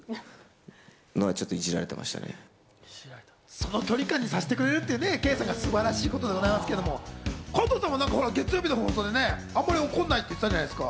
その距離感にさせてくれるっていう、圭さんが素晴らしいと思うんですけど、加藤さんも月曜日の放送であんまり怒んないって言ってたじゃないですか。